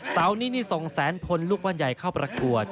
เสาร์นินีทรงแสนพลลุควันใหญ่เข้าประกวด